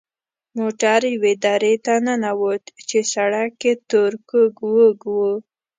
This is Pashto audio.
موټر یوې درې ته ننوت چې سړک یې تور کوږ وږ و.